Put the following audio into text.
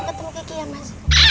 mau ketemu gigi ya mas